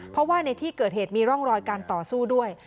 เพราะว่าในที่เกิดเหตุมีร่องรอยการต่อสู้ด้วย